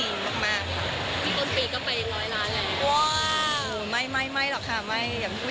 อืไอนอล